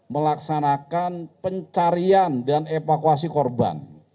melaksanakan pencarian dan evakuasi korban